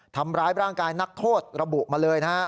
ทำร้ายร่างกายนักโทษระบุมาเลยนะฮะ